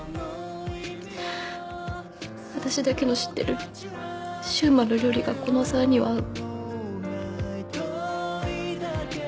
私だけの知ってる柊磨の料理がこのお皿には合う。